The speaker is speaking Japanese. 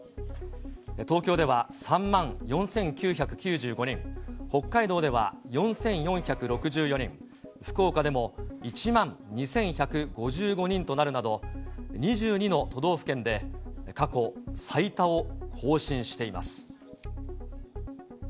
東京では３万４９９５人、北海道では４４６４人、福岡でも１万２１５５人となるなど、２２の都道府県で過去最多を更新しています。